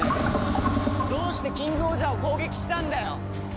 どうしてキングオージャーを攻撃したんだよ！